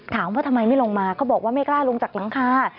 ถามว่าทำไมไม่ลงมาเขาบอกว่าไม่กล้าลงจากหลังคา